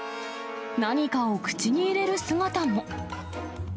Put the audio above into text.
何かを口に入れる姿も。